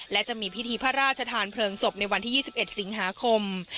และจะมีพิธีพระราชทานเพลิงศพในวันที่๒๑สิงหาคม